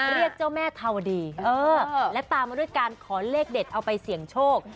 เจ้าแม่ธาวดีและตามมาด้วยการขอเลขเด็ดเอาไปเสี่ยงโชค